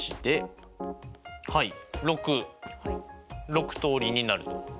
６通りになると。